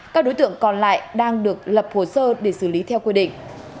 các đối tượng còn lại đang được lập hồ sơ để xử lý theo quy định